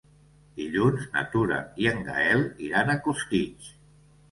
Dilluns na Tura i en Gaël iran a Costitx.